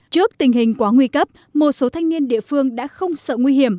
trước tình hình quá nguy cấp một số thanh niên địa phương đã không sợ nguy hiểm